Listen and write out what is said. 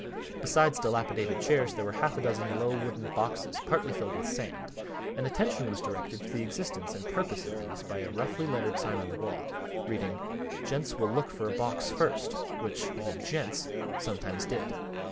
Besides dilapidated chairs there were half a dozen low wooden boxes partly filled with sand, and attention was directed to the existence and purpose of these by a roughly lettered sign on the wall, reading: "Gents will look for a box first," which the "gents" sometimes did.